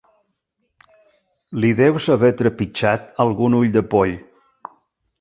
Li deus haver trepitjat algun ull de poll.